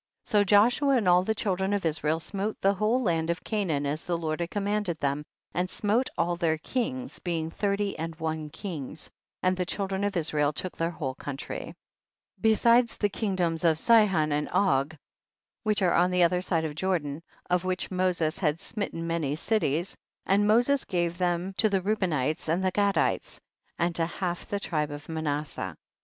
So Joshua and all the children of Israel smote the whole land of Canaan as the Lord had commanded them, and smote all their kings, being thirty and one kings, and the child ren of Israel took their whole country. 52. Besides the kingdoms of Sihon and Og which are on the other side Jordan, of which Moses had smitten many cities, and Moses gave them to the Reubenites and the Gadites and to half the tribe of Manasseh. 53.